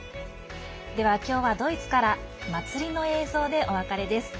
では今日は、ドイツから祭りの映像でお別れです。